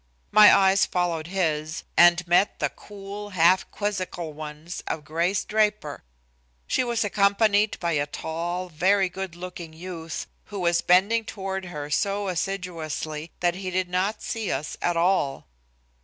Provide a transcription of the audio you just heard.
My eyes followed his, and met the cool, half quizzical ones of Grace Draper. She was accompanied by a tall, very good looking youth, who was bending toward her so assiduously that he did not see us at all.